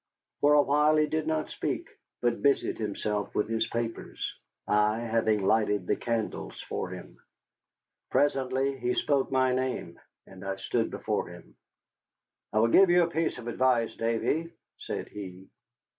For a while he did not speak, but busied himself with his papers, I having lighted the candles for him. Presently he spoke my name, and I stood before him. "I will give you a piece of advice, Davy," said he.